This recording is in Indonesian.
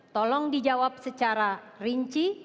tolong dijawab secara rinci